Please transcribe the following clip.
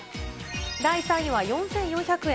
第３位は、４４００円。